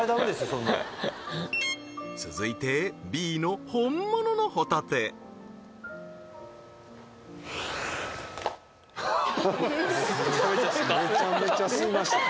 そんなん続いてＢの本物のホタテメチャメチャ吸いましたよ